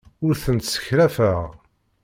Ur tent-ssekrafeɣ.